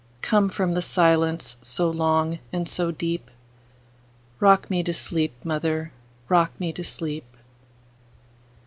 Come from the silence so long and so deep;—Rock me to sleep, mother,—rock me to sleep!